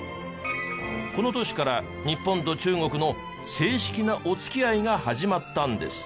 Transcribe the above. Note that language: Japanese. この年から日本と中国の正式なお付き合いが始まったんです。